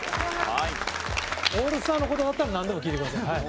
オールスターの事だったらなんでも聞いてください。